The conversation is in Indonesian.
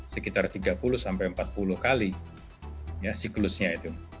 sekitar tiga puluh sampai empat puluh kali ya siklusnya itu